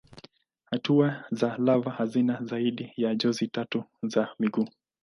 Hatua za lava hazina zaidi ya jozi tatu za miguu.